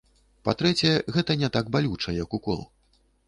Па-трэцяе, гэта не так балюча, як укол.